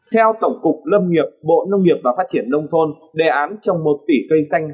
theo tổng cục lâm nghiệp bộ nông nghiệp và phát triển nông thôn đề án trồng một tỷ cây xanh